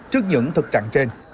trước những thực trạng trên